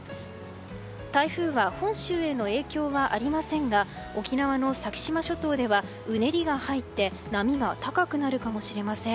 台風は本州への影響はありませんが沖縄の先島諸島ではうねりが入って波が高くなるかもしれません。